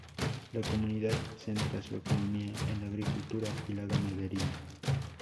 La comunidad centra su economía en la agricultura y la ganadería.